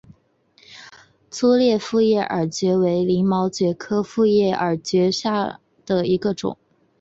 粗裂复叶耳蕨为鳞毛蕨科复叶耳蕨属下的一个种。